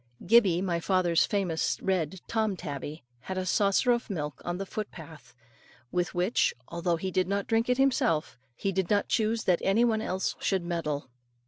Gibbey, my father's famous red Tom tabby, had a saucer of milk on the foot path, with which, although he did not drink it himself, he did not choose that any one else should meddle.